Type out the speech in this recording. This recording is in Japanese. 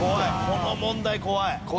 この問題怖い。